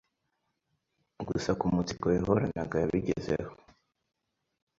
Gusa ku matsiko yahoranaga yabigezeho